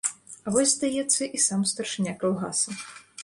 А вось, здаецца, і сам старшыня калгаса.